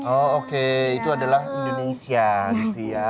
oh oke itu adalah indonesia gitu ya